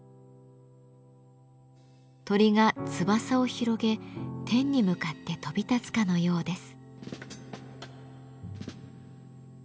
鳥が翼を広げ天に向かって飛び立つかのようです。